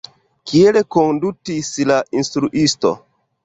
Kiel kondutis la instruisto?